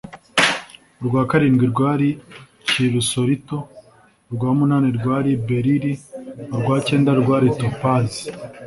urwa karindwi rwari kirusolito urwa munani rwari berili urwa cyenda rwari topazi